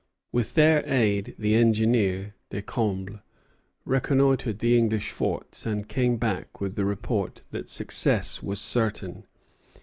With their aid the engineer, Descombles, reconnoitred the English forts, and came back with the report that success was certain.